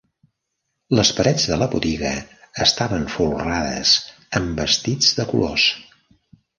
Les parets de la botiga estaven folrades amb vestits de colors.